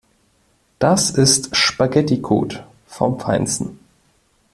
Das ist Spaghetticode vom Feinsten.